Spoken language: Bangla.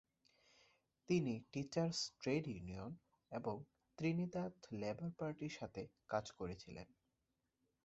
তিনি টিচার্স ট্রেড ইউনিয়ন এবং ত্রিনিদাদ লেবার পার্টির সাথেও কাজ করেছিলেন।